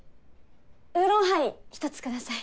ウーロンハイ１つ下さい。